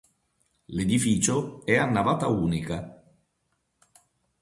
L'edificio è a navata unica.